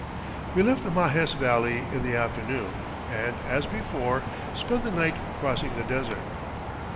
We left the Majes Valley in the afternoon and, as before, spent the night crossing the desert.